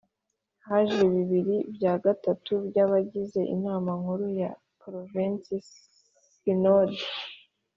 Haje bibiri bya gatatu by’abagize Inama Nkuru ya Provensi Sinodi